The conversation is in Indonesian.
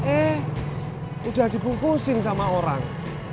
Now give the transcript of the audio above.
eh udah dibungkusin sama orang